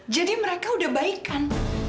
jadi mereka udah baik kan